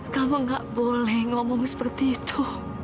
kamu gak boleh ngomong seperti itu